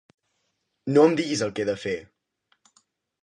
No em diguis el que he de fer!